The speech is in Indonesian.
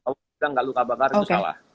kalau tidak luka bakar itu salah